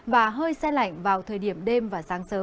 và hơi xe lạnh vào trong ba ngày tới